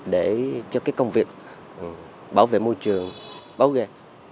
để cho công việc bảo vệ môi trường báo ghe